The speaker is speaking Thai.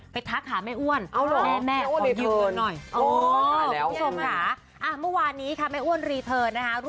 ไปทักหาแม่อ้วนแม่ขออยู่เงินน่อย